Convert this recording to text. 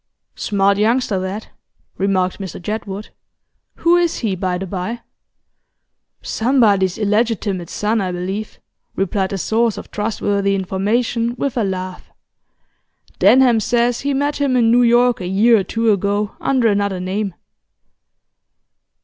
'Smart youngster, that,' remarked Mr Jedwood. 'Who is he, by the bye?' 'Somebody's illegitimate son, I believe,' replied the source of trustworthy information, with a laugh. 'Denham says he met him in New York a year or two ago, under another name.